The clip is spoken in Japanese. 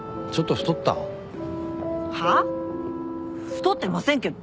太ってませんけど！